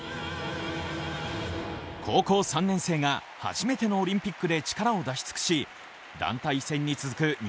高校３年生が初めてのオリンピックで力を出し尽くし団体戦に続く